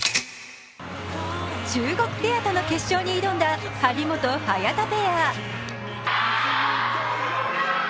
中国ペアとの決勝に挑んだ張本・早田ペア。